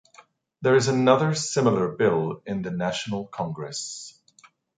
There is another similar bill in the National Congress.